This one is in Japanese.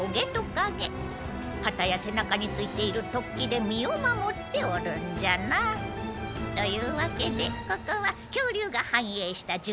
肩や背中についている突起で身を守っておるんじゃな。というわけでここは恐竜が繁栄したジュラ紀じゃ。